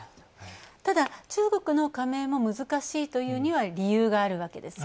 ただ、中国の加盟も難しいというのには理由があるわけですよね。